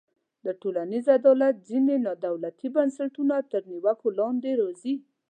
د ټولنیز عدالت ځینې نا دولتي بنسټونه تر نیوکو لاندې راځي.